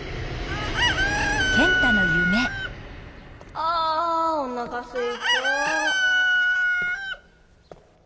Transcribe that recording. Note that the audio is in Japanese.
あおなかすいた。